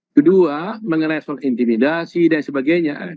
kedua mengenai soal intimidasi dan sebagainya